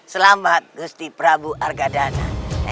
selamat gusti prabu argadana